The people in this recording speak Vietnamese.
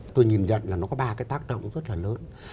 tôi nhìn nhận là nó có ba cái tác động rất là lớn